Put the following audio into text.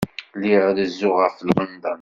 Lliɣ rezzuɣ ɣef London.